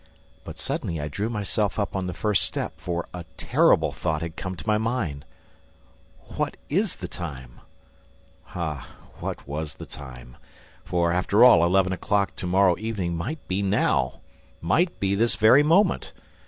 But, suddenly I drew myself up on the first step, for a terrible thought had come to my mind: "What is the time?" Ah, what was the time? ... For, after all, eleven o'clock to morrow evening might be now, might be this very moment!